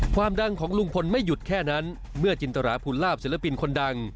ความดังของลุงพลไม่หยุดแค่นั้นเมื่อจินตราภูลาภศิลปินคนดัง